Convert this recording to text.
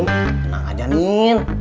tenang aja nen